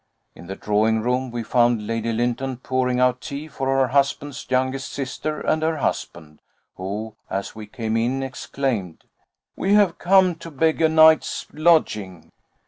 In the drawing room we found Lady Lynton pouring out tea for her husband's youngest sister and her husband, who, as we came in, exclaimed: "We have come to beg a night's lodging."